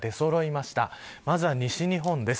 まずは西日本です。